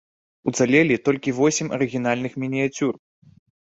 Уцалелі толькі восем арыгінальных мініяцюр.